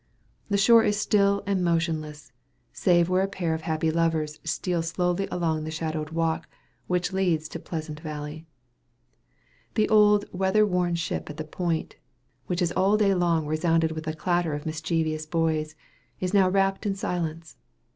The shore is still and motionless, save where a pair of happy lovers steal slowly along the shadowed walk which leads to Pleasant Valley. The old weather worn ship at the Point, which has all day long resounded with the clatter of mischievous boys, is now wrapped in silence.